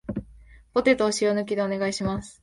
ポテトを塩抜きでお願いします